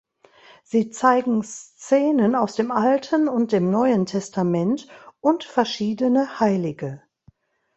Sie zeigen Szenen aus dem Alten und dem Neuen Testament und verschiedene Heilige.